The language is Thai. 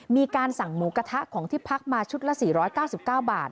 มีการสั่งหมูกระทะของที่พักมาชุดละ๔๙๙บาท